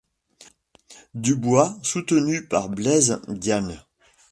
DuBois soutenu par Blaise Diagne.